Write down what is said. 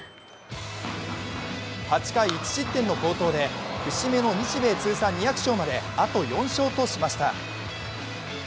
８回１失点の好投で、節目の日米通算２００勝まであと４勝としました。